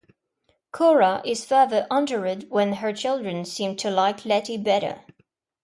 Cora is further angered when her children seem to like Letty better.